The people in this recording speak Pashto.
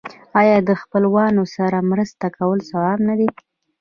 آیا د خپلوانو سره مرسته کول ثواب نه دی؟